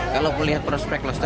kalau melihat prospek lobster